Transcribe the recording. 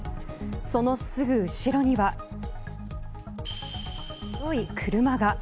そのすぐ後ろには白い車が。